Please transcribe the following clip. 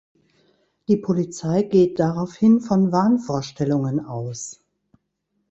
Die Polizei geht daraufhin von Wahnvorstellungen aus.